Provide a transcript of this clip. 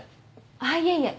あっいえいえ。